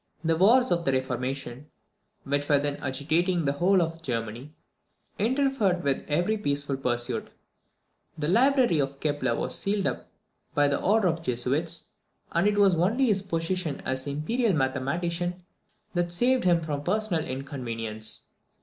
The wars of the reformation, which were then agitating the whole of Germany, interfered with every peaceful pursuit. The library of Kepler was sealed up by order of the Jesuits, and it was only his position as imperial mathematician that saved him from personal inconvenience.